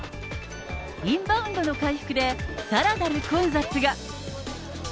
インバウンドの回復で、さらなる混雑が。